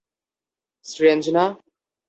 Strange, না!